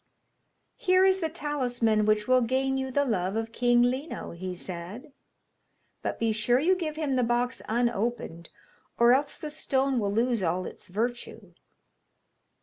'Here is the talisman which will gain you the love of King Lino,' he said; 'but be sure you give him the box unopened, or else the stone will lose all its virtue.'